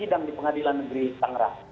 sidang di pengadilan negeri tangerang